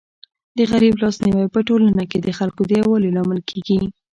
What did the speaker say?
د غریب لاس نیوی په ټولنه کي د خلکو د یووالي لامل کيږي.